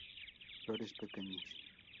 Flores pequeñas.